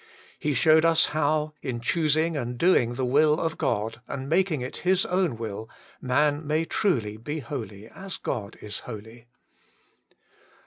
He showed us how, in choosing and doing the will of God, and making it his own will, man may truly be holy as God is holy.